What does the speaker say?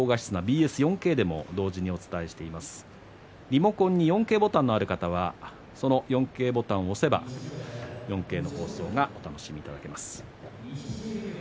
リモコンに４Ｋボタンのある方はその４Ｋボタンを押せば４Ｋの放送がお楽しみいただけます。